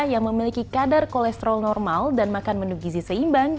yang memiliki kadar kolesterol normal dan makan menu gizi seimbang